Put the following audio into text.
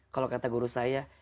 kalau kata guru saya